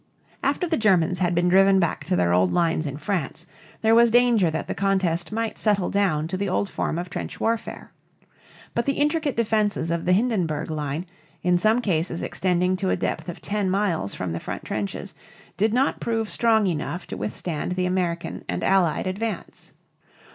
After the Germans had been driven back to their old lines in France, there was danger that the contest might settle down to the old form of trench warfare. But the intricate defenses of the Hindenburg line, in some cases extending to a depth of ten miles from the front trenches, did not prove strong enough to withstand the American and Allied advance.